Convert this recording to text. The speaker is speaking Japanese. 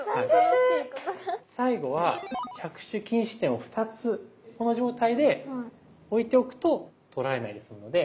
最後は着手禁止点を２つこの状態で置いておくと取られないですので。